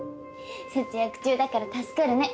節約中だから助かるね。